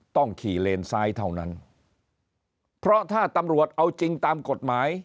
ต้องขี่เลนซ้ายเท่านั้นเพราะถ้าตำรวจเอาจริงตามกฎหมาย